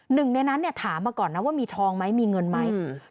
หนึ่งในนั้นเนี่ยถามมาก่อนนะว่ามีทองไหมมีเงินไหม